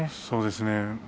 そうですね。